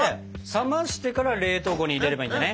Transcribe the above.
冷ましてから冷凍庫に入れればいいんだね？